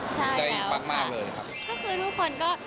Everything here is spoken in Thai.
ใช่แล้วใจปั๊กมากเลยนะครับก็คือทุกคนก็